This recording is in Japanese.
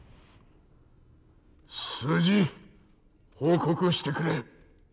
数字報告してくれ。